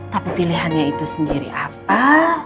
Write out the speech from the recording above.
tapi pilihannya itu sendiri apa